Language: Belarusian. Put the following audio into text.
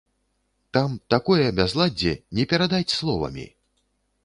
Там такое бязладдзе, не перадаць словамі!